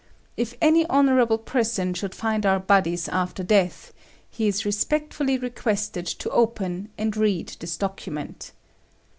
If any honourable person should find our bodies after death, he is respectfully requested to open and read this document.